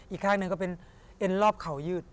อีกข้างหนึ่งก็เป็นเอ็นรอบเขายืด